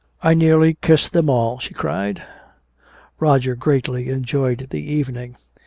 "I nearly kissed them all!" she cried. Roger greatly enjoyed the evening.